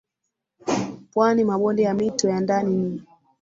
pwani Mabonde ya mito ya ndani ni